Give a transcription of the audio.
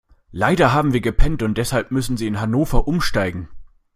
Leider haben wir gepennt und deshalb müssen Sie in Hannover umsteigen.